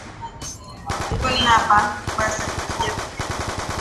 Likoni hapa Mombasa pamejaa vijana.